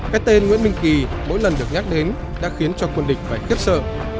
cái tên nguyễn minh kỳ mỗi lần được nhắc đến đã khiến cho quân địch phải khiếp sợ